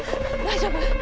大丈夫？